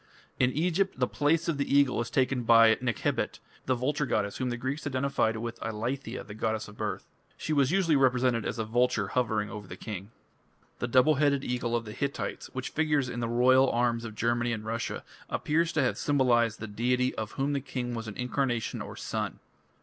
In Egypt the place of the eagle is taken by Nekhebit, the vulture goddess whom the Greeks identified with "Eileithyia, the goddess of birth; she was usually represented as a vulture hovering over the king". The double headed eagle of the Hittites, which figures in the royal arms of Germany and Russia, appears to have symbolized the deity of whom the king was an incarnation or son.